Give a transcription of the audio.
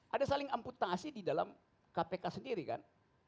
ada saling amputasi di dalam kpk sendiri kan